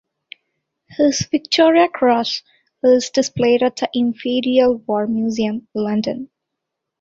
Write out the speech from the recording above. His Victoria Cross is displayed at the Imperial War Museum, London.